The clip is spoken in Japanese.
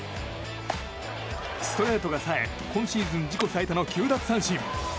ストレートがさえ今シーズン自己最多の９奪三振。